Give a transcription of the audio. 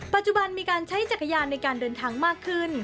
ปัจจุบันมีการใช้จักรยานในการเดินทางมากขึ้น